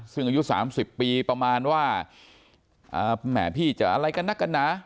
ซึ่งอายุ๓๐ปีประมาณว่าแหมพี่จะอะไรกันนักกันนะ